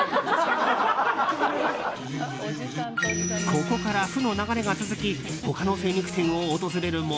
ここから負の流れが続き他の精肉店を訪れるも。